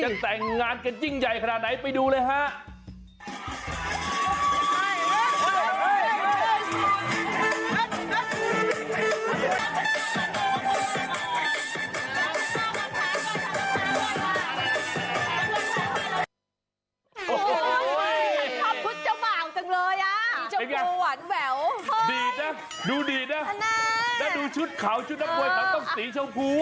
แต่งงานกันยิ่งใหญ่ขนาดไหนไปดูเลยฮะ